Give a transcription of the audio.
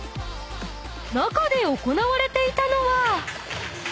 ［中で行われていたのは］